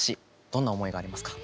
どんな思いがありますか？